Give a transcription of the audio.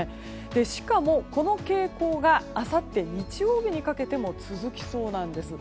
しかも、この傾向があさって日曜日にかけても続きそうなんです。